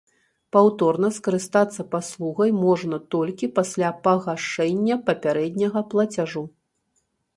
Паўторна скарыстацца паслугай можна толькі пасля пагашэння папярэдняга плацяжу.